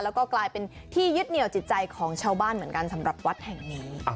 แล้วก็กลายเป็นที่ยึดเหนียวจิตใจของชาวบ้านเหมือนกันสำหรับวัดแห่งนี้